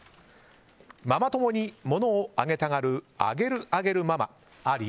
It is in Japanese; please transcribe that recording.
ママ友に物をあげたがるあげるあげるママあり？